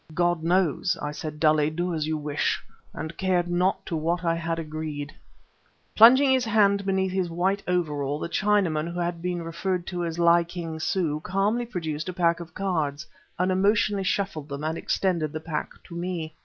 "God knows!" I said dully; "do as you wish" and cared not to what I had agreed. Plunging his hand beneath his white overall, the Chinaman who had been referred to as Li King Su calmly produced a pack of cards, unemotionally shuffled them and extended the pack to me.